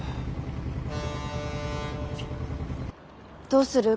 どうする？